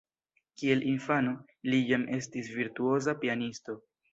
Kiel infano, li jam estis virtuoza pianisto.